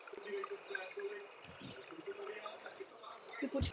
Vy jste navrhl ambiciózní program, jak tyto věci řešit.